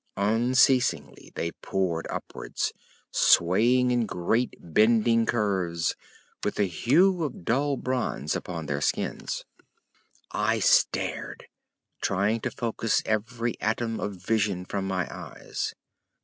Unceasingly they poured upwards, swaying in great bending curves, with a hue of dull bronze upon their skins. I stared, trying to force every atom of vision from my eyes.